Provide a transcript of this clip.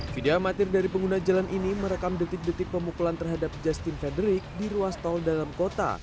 video amatir dari pengguna jalan ini merekam detik detik pemukulan terhadap justin federick di ruas tol dalam kota